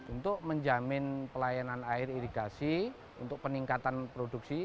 untuk menjamin pelayanan air irigasi untuk peningkatan produksi